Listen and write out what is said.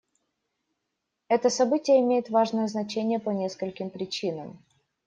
Это событие имеет важное значение по нескольким причинам.